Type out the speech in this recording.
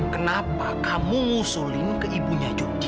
kenapa kamu suruh ini ke ibunya jody